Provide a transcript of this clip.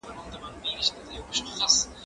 زه به سبا کښېناستل وکړم؟!